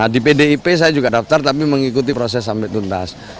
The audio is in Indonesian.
di pdip saya juga daftar tapi mengikuti proses sampai tuntas